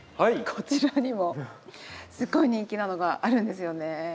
こちらにもすごい人気なのがあるんですよね。